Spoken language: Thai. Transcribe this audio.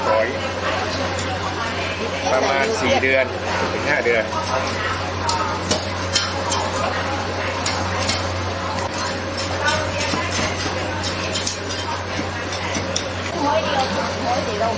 ห้อยประมาณสี่เดือนหรือสิบห้าเดือน